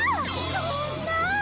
そんなぁ。